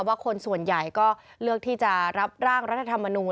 ว่าคนส่วนใหญ่ก็เลือกที่จะรับร่างรัฐธรรมนูล